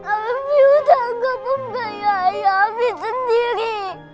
ami udah anggap om kayak ami sendiri